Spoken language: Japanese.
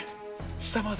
下まで？